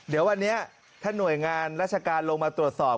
เดี๋ยววันนี้ถ้าหน่วยงานราชการลงมาตรวจสอบ